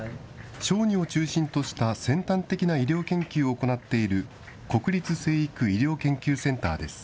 小児を中心とした先端的な医療研究を行っている、国立成育医療研究センターです。